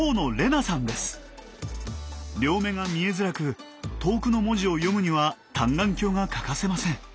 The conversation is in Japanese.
両目が見えづらく遠くの文字を読むには単眼鏡が欠かせません。